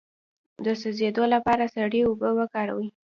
د سوځیدو لپاره سړې اوبه وکاروئ